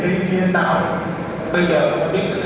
bây giờ còn không ý thức được